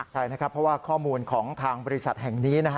ใช่เพราะว่าข้อมูลของทางบริษัทแห่งนี้